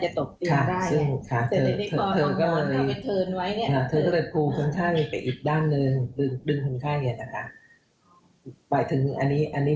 แต่ก็คิดว่าเขาอาจจะมีปัญหาเรื่องคน